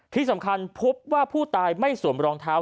ที่สำคัญพบว่าผู้ตายไม่สวมรองเท้า